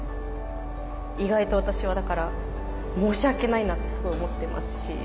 意外と私はだから申し訳ないなってすごい思ってますし。